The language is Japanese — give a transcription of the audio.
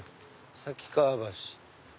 崎川橋。